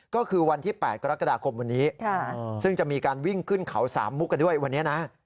ก็คือวันที่๘กรกฎาคมวันนี้ซึ่งจะมีการวิ่งขึ้นเขาสามมุกกันด้วยวันนี้นะ